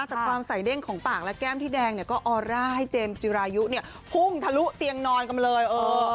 แต่ความใส่เด้งของปากและแก้มที่แดงเนี่ยก็ออร่าให้เจมส์จิรายุเนี่ยพุ่งทะลุเตียงนอนกันมาเลย